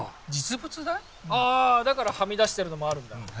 あだからはみ出しているのもあるんだ。